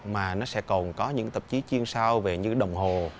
mà nó sẽ còn có những tạp chí chuyên sâu về như đồng hồ